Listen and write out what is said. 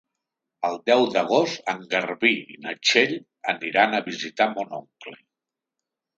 El deu d'agost en Garbí i na Txell aniran a visitar mon oncle.